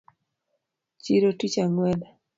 Chiro tich ang’wen